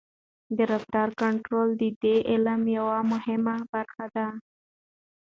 د رفتار کنټرول د دې علم یوه مهمه برخه ده.